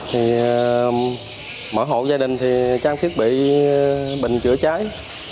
thì mỗi hộ gia đình thì trang thiết bị bình chữa cháy